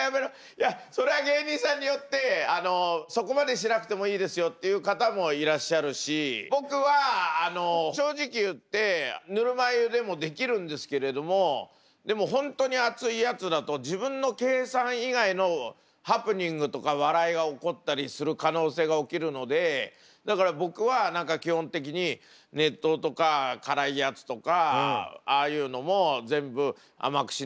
いやそれは芸人さんによってそこまでしなくてもいいですよっていう方もいらっしゃるし僕は正直言ってぬるま湯でもできるんですけれどもでも本当に熱いやつだと可能性が起きるのでだから僕は何か基本的に熱湯とか辛いやつとかああいうのも全部甘くしないでください